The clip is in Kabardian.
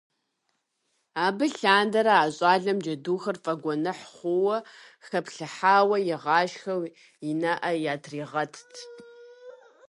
Абы лъандэрэ а щӏалэм джэдухэр фӀэгуэныхь хъууэ хэплъыхьауэ игъашхэу и нэӀэ ятригъэтт.